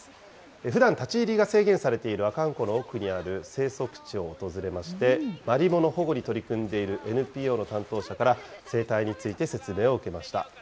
ふだん立ち入りが制限されている阿寒湖の奥にある生息地を訪れまして、マリモの保護に取り組んでいるＮＰＯの担当者から、生態について説明を受けました。